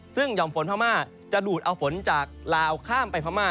ซึ่งห่อมฝนพม่าจะดูดเอาฝนจากลาวข้ามไปพม่า